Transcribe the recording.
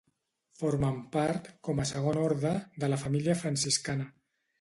Formen part, com a segon orde, de la família franciscana.